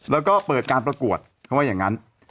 แล้วก็เปิดการประกวดเขาว่าอย่างนั้น